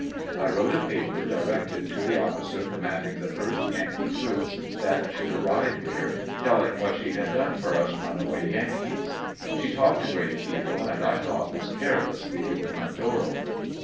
I wrote a paper directed to the ofiicer com manding the first Yankee troops that should arrive here telling what she had done for us runaway Yankees. She talked a great deal, and I thought was careless leaving the front door open.